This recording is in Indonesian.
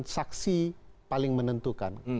saksi paling menentukan